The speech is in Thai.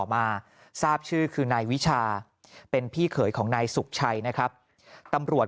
มาทราบชื่อคือนายวิชาเป็นพี่เขยของนายสุขชัยนะครับตำรวจ